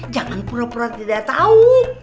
jangan pura pura tidak tahu